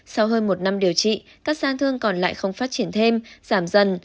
sau hơn một năm điều trị các gian thương còn lại không phát triển thêm giảm dần